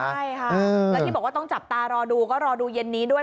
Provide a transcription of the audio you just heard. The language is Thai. ใช่ค่ะแล้วที่บอกว่าต้องจับตารอดูก็รอดูเย็นนี้ด้วย